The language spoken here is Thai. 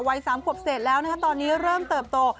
วัย๓ขวบเศษแล้วนะคะตอนนี้เริ่มเติบโต